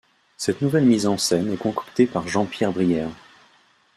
Cette nouvelle mise en scène est concoctée par Jean-Pierre Brière.